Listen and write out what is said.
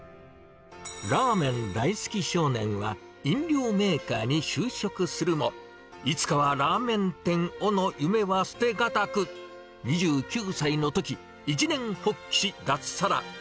ラーメン大好き少年は、飲料メーカーに就職するも、いつかはラーメン店をの夢は捨てがたく、２９歳のとき、一念発起し脱サラ。